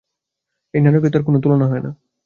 এই নারকীয়তার কোনো তুলনা হয় না।